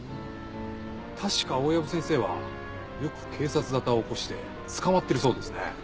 確か大藪先生はよく警察沙汰を起こして捕まってるそうですね。